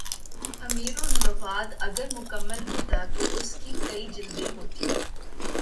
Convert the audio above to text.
امیر اللغات اگر مکمل ہوتا تو اس کی کئی جلدیں ہوتیں